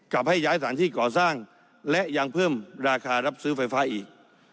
ให้ย้ายสถานที่ก่อสร้างและยังเพิ่มราคารับซื้อไฟฟ้าอีก